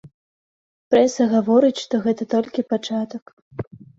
Прэса гаворыць, што гэта толькі пачатак.